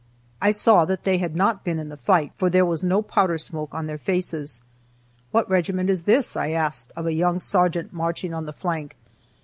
I saw that they had not been in the fight, for there was no powder smoke on their faces. "What regiment is this?" I asked of a young sergeant marching on the flank.